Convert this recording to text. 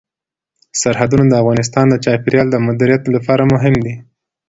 سرحدونه د افغانستان د چاپیریال د مدیریت لپاره مهم دي.